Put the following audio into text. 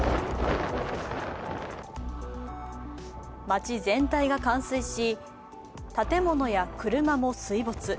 街全体が冠水し、建物や車も水没。